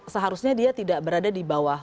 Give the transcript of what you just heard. seharusnya dia tidak berada di bawah